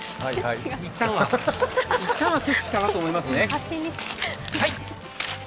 一旦は景色かなと思いますね。